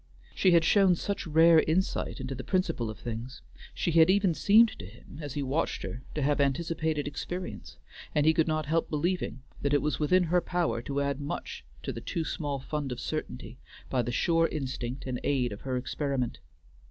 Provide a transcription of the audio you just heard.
She had shown such rare insight into the principles of things; she had even seemed to him, as he watched her, to have anticipated experience, and he could not help believing that it was within her power to add much to the too small fund of certainty, by the sure instinct and aim of her experiment.